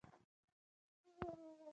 ده وویل، څېړنه تخنیکي پرمختګ دی.